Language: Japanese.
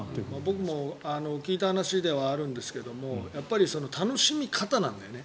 僕も聞いた話ではあるんですが楽しみ方なんだよね。